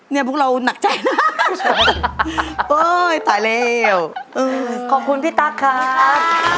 เนี่ยพวกเรานักใจนะโอ้ยตายแล้วขอบคุณพี่ตั๊กครับ